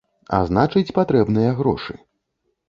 А значыць патрэбныя грошы.